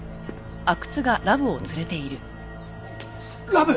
ラブ！